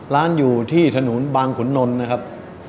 ร้านอยู่ที่ถนนบางขุนนลนะครับ